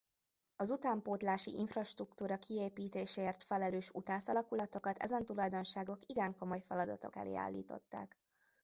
Az utánpótlási infrastruktúra kiépítéséért felelős utász alakulatokat ezen tulajdonságok igen komoly feladatok elé állították.